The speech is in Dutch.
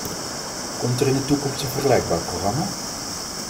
Komt er in de toekomst een vergelijkbaar programma?